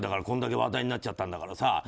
これだけ話題になっちゃったんだからさ。